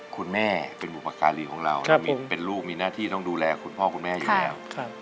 คุณแม่เป็นบุปการีของเราเป็นลูกมีหน้าที่ต้องดูแลคุณพ่อคุณแม่อยู่แล้ว